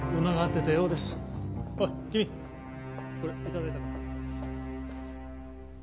おい君これ頂いたから。